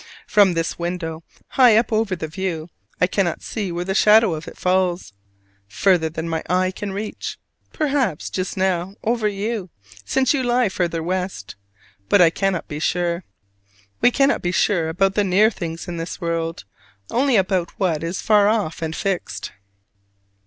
From this window, high up over the view, I cannot see where the shadow of it falls, further than my eye can reach: perhaps just now over you, since you lie further west. But I cannot be sure. We cannot be sure about the near things in this world; only about what is far off and fixed.